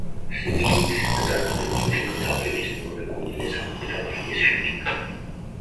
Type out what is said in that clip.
სიძლიერისა და წარმატებების მიხედვით აფრიკის მეორე გუნდია სამხრეთ აფრიკის შემდეგ.